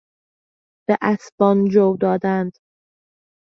به اسبان جو دادن